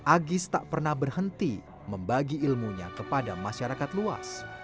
agis tak pernah berhenti membagi ilmunya kepada masyarakat luas